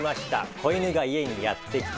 「子犬が家にやってきた！」。